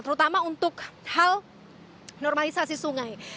terutama untuk hal normalisasi sungai